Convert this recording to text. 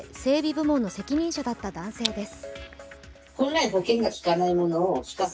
部門の責任者だった男性です。